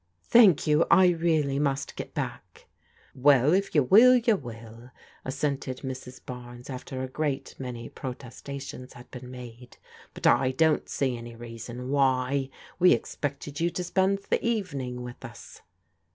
" Thank you, I really must get back." "Well, if you will, you will," assented Mrs. Barnes after a great many protestations had been made, " but I don't see any reason why. We expected you to spend the evening with us."